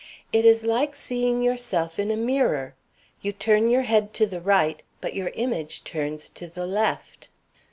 It is like seeing yourself in a mirror. You turn your head to the right, but your image turns to the left."